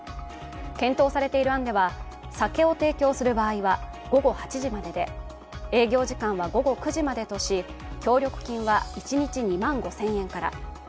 検討されている案では酒を提供する場合は午後８時までで営業時間は午後９時までとし、協力金は一日２万５０００円から。